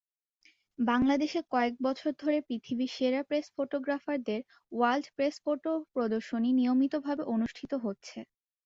বাংলাদেশে কয়েক বছর ধরে পৃথিবীর সেরা প্রেস ফটোগ্রাফারদের ‘ওয়ার্ল্ড প্রেসফটো’ প্রদর্শনী নিয়মিতভাবে অনুষ্ঠিত হচ্ছে।